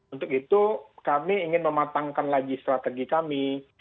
untuk itu kami ingin mematangkan lagi strategi kami